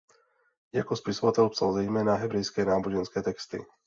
Jako spisovatel psal zejména hebrejské náboženské texty.